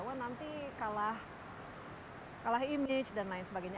wah nanti kalah image dan lain sebagainya